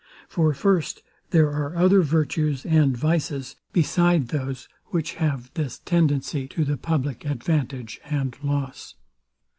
For, first, there are other virtues and vices beside those which have this tendency to the public advantage and loss.